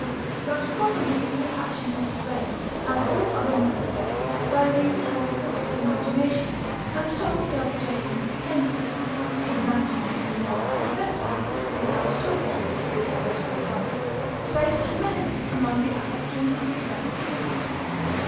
But properly it is a passion of the brain, as all other melancholy, by reason of corrupt imagination, and so doth Jason Pratensis, c. 19. de morb. cerebri (who writes copiously of this erotical love), place and reckon it amongst the affections of the brain.